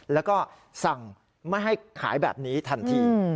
แล้วก็สั่งไม่ให้ขายแบบนี้ทันที